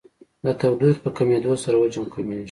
د تودوخې په کمېدو سره حجم کمیږي.